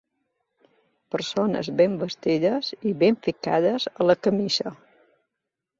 Persones ben vestides i ben ficades a la camisa.